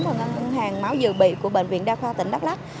và ngân hàng máu dự bị của bệnh viện đa khoa tỉnh đắk lắc